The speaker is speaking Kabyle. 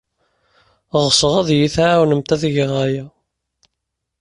Ɣseɣ ad iyi-tɛawnemt ad geɣ aya.